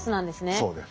そうです。